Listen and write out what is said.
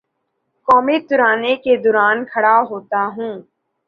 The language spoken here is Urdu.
قومی ترانے کے دوراں کھڑا ہوتا ہوں